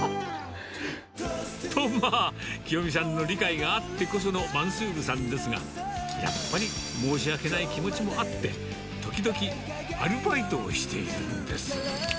とまあ、きよみさんの理解があってこそのマンスールさんですが、やっぱり申し訳ない気持ちもあって、時々アルバイトをしているんです。